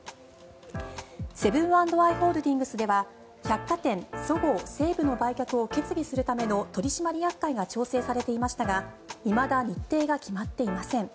セブン＆アイ・ホールディングスでは百貨店、そごう・西武の売却を決議するための取締役会が調整されていましたがいまだ日程が決まっていません。